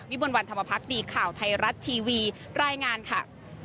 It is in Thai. บนวันธรรมพักดีข่าวไทยรัฐทีวีรายงานค่ะ